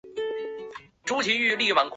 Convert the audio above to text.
三十四年升为龙江府。